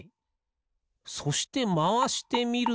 そしてまわしてみると